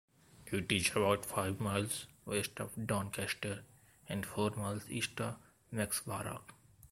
It is about five miles west of Doncaster, and four miles east of Mexborough.